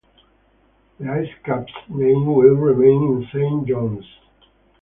The IceCaps name will remain in Saint John's.